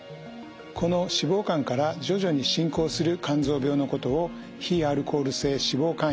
この脂肪肝から徐々に進行する肝臓病のことを非アルコール性脂肪肝炎